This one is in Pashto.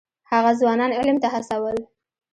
هغه ځوانان علم ته هڅول.